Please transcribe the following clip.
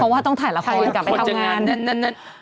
เพราะว่าต้องถ่ายละครกลับไปทำงานนั่น